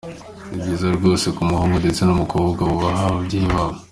Ni byiza rwose ko umuhungu ndetse n’umukobwa bubaha ababyeyi babo.